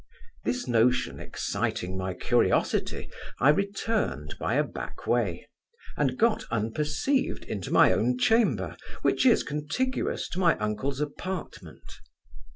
This notion exciting my curiosity, I returned by a back way, and got unperceived into my own chamber, which is contiguous to my uncle's apartment.